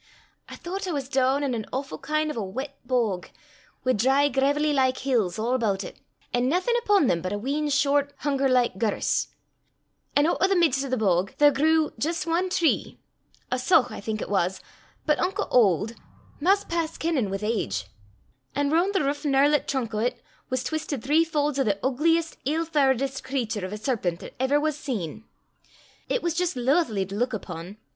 I thoucht I was doon in an awfu' kin' o' a weet bog, wi' dry graivelly like hills a' aboot it, an' naething upo' them but a wheen short hunger like gerse. An' oot o' the mids o' the bog there grew jist ae tree a saugh, I think it was, but unco auld 'maist past kennin' wi' age; an' roon' the rouch gnerlet trunk o' 't was twistit three faulds o' the oogliest, ill fauredest cratur o' a serpent 'at ever was seen. It was jist laithly to luik upo'.